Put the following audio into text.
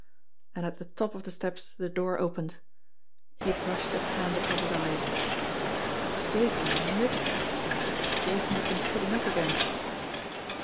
And at the top of the steps the door opened. He brushed his hand across his eyes. That was Jason, wasn't it? Jason had been sitting up again!